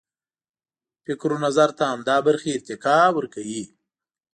فکر و نظر ته همدا برخې ارتقا ورکوي.